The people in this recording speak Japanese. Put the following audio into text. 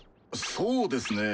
そうですね。